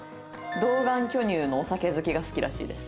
童顔巨乳のお酒好きが好きらしいです。